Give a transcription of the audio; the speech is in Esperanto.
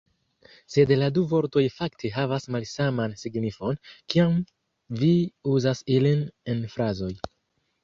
Sed la du vortoj fakte havas malsaman signifon, kiam vi uzas ilin en frazoj.